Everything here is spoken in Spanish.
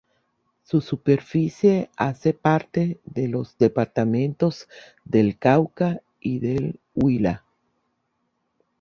Su superficie hace parte de los departamentos del Cauca y del Huila.